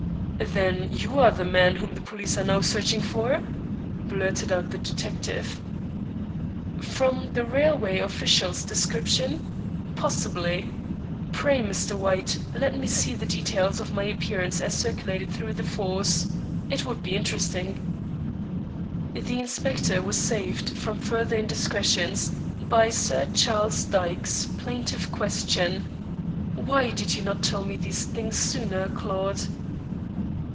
"Then you are the man whom the police are now searching for?" blurted out the detective. "From the railway official's description? Possibly. Pray, Mr. White, let me see the details of my appearance as circulated through the force. It would be interesting." The inspector was saved from further indiscretions by Sir Charles Dyke's plaintive question: "Why did you not tell me these things sooner, Claude?"